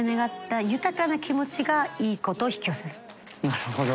なるほど。